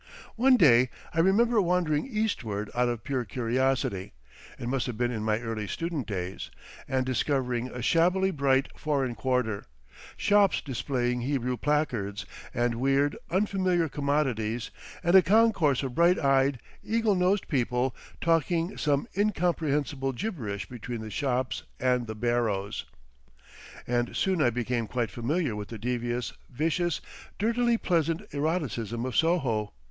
One day I remember wandering eastward out of pure curiosity—it must have been in my early student days—and discovering a shabbily bright foreign quarter, shops displaying Hebrew placards and weird, unfamiliar commodities and a concourse of bright eyed, eagle nosed people talking some incomprehensible gibberish between the shops and the barrows. And soon I became quite familiar with the devious, vicious, dirtily pleasant eroticism of Soho.